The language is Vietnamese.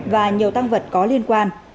và nhiều tăng vật có liên quan